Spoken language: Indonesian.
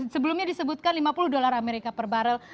sebelumnya disebutkan lima puluh dolar amerika per barrel